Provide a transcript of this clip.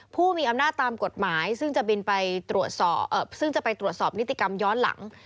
ผู้มีอำนาจตามกฎหมายซึ่งจะไปตรวจสอบนิติกรรมย้อนหลัง